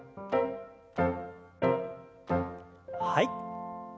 はい。